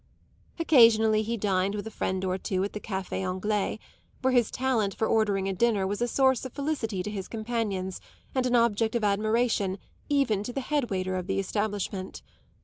Occasionally he dined with a friend or two at the Café Anglais, where his talent for ordering a dinner was a source of felicity to his companions and an object of admiration even to the headwaiter of the establishment.